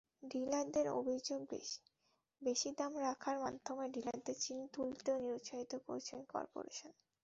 ডিলারদের অভিযোগ, বেশি দাম রাখার মাধ্যমে ডিলারদের চিনি তুলতে নিরুৎসাহিত করছে করপোরেশন।